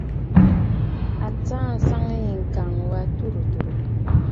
A tsaa àŋsaŋ yî ŋ̀kàŋ wà tùrə̀ tùrə̀.